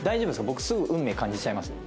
僕すぐ運命感じちゃいますよ。